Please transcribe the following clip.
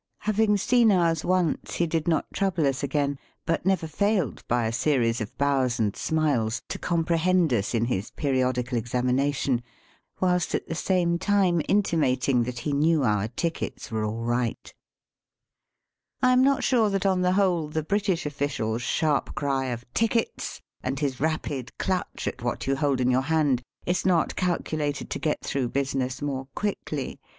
Having seen ours once, he did not trouble us again, but never failed, by a series of bows and smiles, to comprehend us in his periodical examina tion, whilst at the same time intimating that he knew our tickets were all right. I am not Digitized by VjOOQIC THE GIBRALTAR OF THE EAST. 107 sure that on the whole the British official's sharp cry of " Tickets !" and his rapid clutch at what you hold in your hand, is not calcu lated to get through business more quickly.